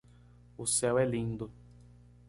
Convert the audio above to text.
O céu é lindo.